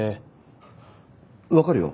わかるよ。